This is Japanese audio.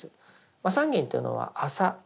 麻三斤というのは麻。